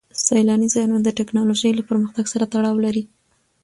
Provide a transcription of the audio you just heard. سیلاني ځایونه د تکنالوژۍ له پرمختګ سره تړاو لري.